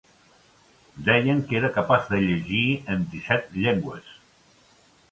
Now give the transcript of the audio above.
Deien que era capaç de llegir en disset llengües.